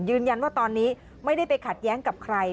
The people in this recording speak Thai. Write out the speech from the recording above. ยืนยันว่าตอนนี้ไม่ได้ไปขัดแย้งกับใคร